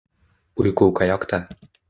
Uyqu qayoqda?